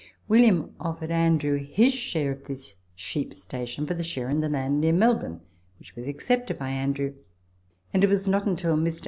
William offered Andrew his share of this sheep station for the share in the land near Melbourne, which was accepted by Andrew, and it was not until Mr. A.